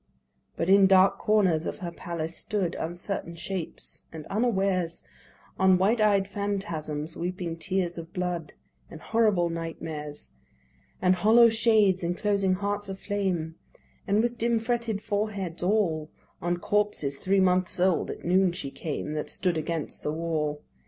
But in dark corners of her palace stood uncertain shapes; and unawares On white eyed phantasms weeping tears of blood, And horrible nightmares, And hollow shades enclosing hearts of flame, And, with dim fretted foreheads all, On corpses three months old at noon she came, That stood against the wall.